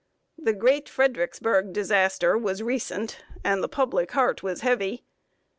The great Fredericksburg disaster was recent, and the public heart was heavy.